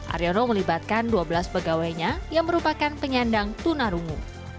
aryono melibatkan dua belas pegawainya yang merupakan penyandang tunarungu